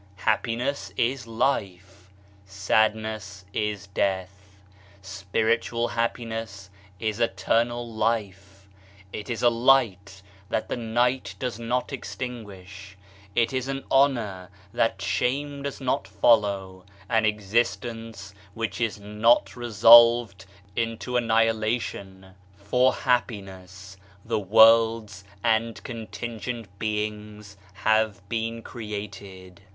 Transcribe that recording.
Happiness is life ; sadness is death ; spiritual happiness is eternal life 1 It is a light that the night does not extinguish ; it is an honour that shame does not follow, an existence which is not resolved into annihilation ! For happi 1 Baha'u'Hah, Words o/Paradise t pi 56. 158 BAHAISM ness the worlds and contingent beings have been created